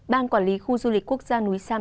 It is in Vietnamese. ban quản lý khu du lịch quốc gia núi sam